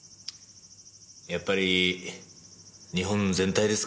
やっぱり日本全体ですか。